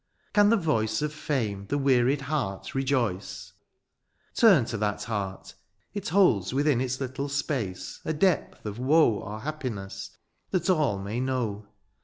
Can the voice Of fame the wearied heart rejoice ? Turn to that hearty it holds within Its little space a depth of woe Or happiness that all may know.